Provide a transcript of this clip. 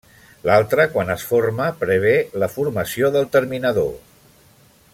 L'altra, quan es forma, prevé la formació del terminador.